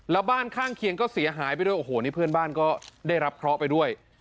แล้วบ้านข้างเคียงก็เสียหายไปด้วยโอ้โหนี่เพื่อนบ้านก็ได้รับเคราะห์ไปด้วย